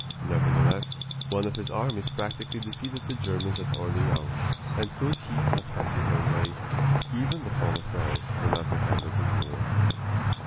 Nevertheless, one of his armies practically defeated the Germans at Orleans; and could he have had his own way, even the fall of Paris would not have ended the war.